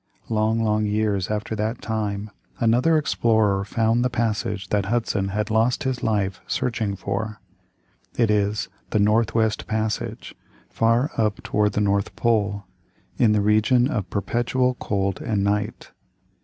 Long, long years after that time, another explorer found the passage that Hudson had lost his life searching for. It is The Northwest Passage, far up toward the North Pole, in the region of perpetual cold and night.